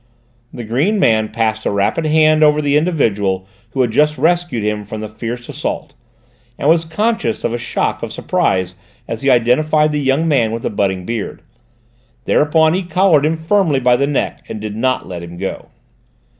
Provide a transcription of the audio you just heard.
The green man passed a rapid hand over the individual who had just rescued him from the fierce assault, and was conscious of a shock of surprise as he identified the young man with the budding beard; thereupon he collared him firmly by the neck and did not let him go.